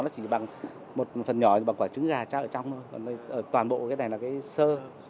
nó chỉ bằng một phần nhỏ cái quả trứng gà trao ở trong thôi còn toàn bộ cái này là cái xơ